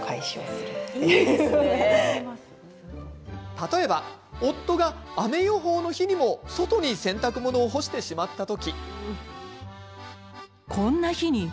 例えば、夫が雨予報の日にも外に洗濯物を干してしまった時。